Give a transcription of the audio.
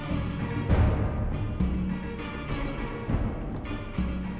apa kelemahan dari kadipaten ini